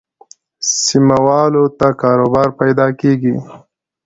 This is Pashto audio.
سیمه والو ته کاروبار پیدا کېږي.